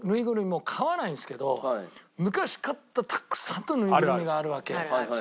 もう買わないんですけど昔買ったたくさんのぬいぐるみがあるわけ。